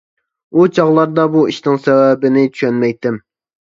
ئۇ چاغلاردا بۇ ئىشنىڭ سەۋەبىنى چۈشەنمەيتتىم.